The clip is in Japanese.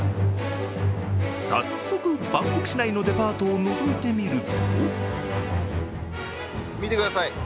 早速バンコク市内のデパートをのぞいてみると見てください。